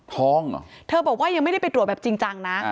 ท้องเหรอเธอบอกว่ายังไม่ได้ไปตรวจแบบจริงจังนะ